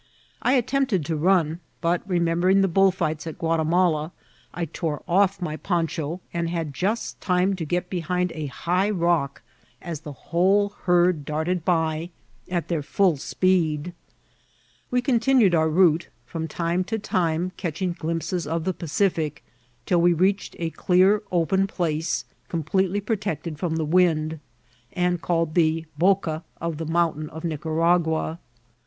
I at tempted to run, but, remembering the bullfights at Ouatimala, I tore off my poncha, and had just tmie to get behind a hi^ rock as the whole herd darted by at Vol.— I. 3 D IM IVCIBBHTS OF TBATIIi. tbekfidl speed. We eontinned our voate, from tioie lo tuM cetrfiif glimpeeo of the Pteific, till we readMd a clear, open place, completel j protected firom the wiad, and called Ae Boca of the Moimtain of Nicaiagaa.